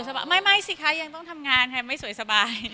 ไม่สิคะยังต้องทำงานค่ะไม่สวยสบาย